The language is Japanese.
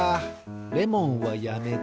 レモンはやめて。